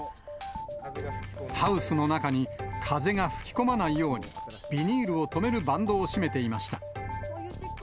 ハウスの中に風が吹き込まないように、ビニールを止めるバンドを締めていました。